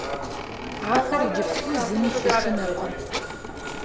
Ахэр иджыпсту зыми щышынэркъым.